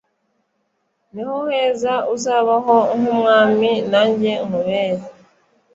niho heza uzabaho nkumwami najye nkubere